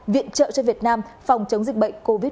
viện trợ cho việt nam phòng chống dịch bệnh covid một mươi chín